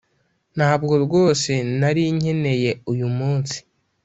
ntabwo rwose nari nkeneye uyu munsi.